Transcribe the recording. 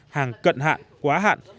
hàng cận hạn quá hạn